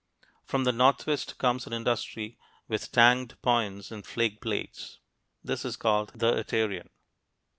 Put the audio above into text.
From the northwest comes an industry with tanged points and flake blades; this is called the Aterian.